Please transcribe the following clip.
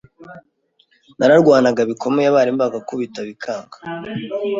nararwanaga bikomeye, abarimu bagakubita bikanga